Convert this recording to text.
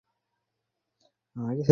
কতদিন, স্যার?